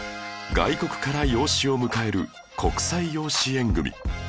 外国から養子を迎える国際養子縁組